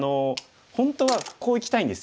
本当はこういきたいんですよ。